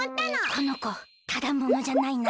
このこただものじゃないな。